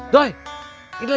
serius diem dulu ah